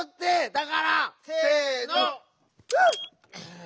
だから！せの。